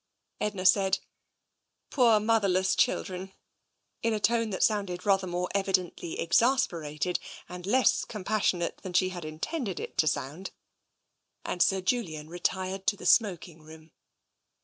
Edna said, " Poor motherless children," in a tone that sounded rather more evidently exasperated and less compassionate than she had intended it to sound, and Sir Julian retired to the smoking room.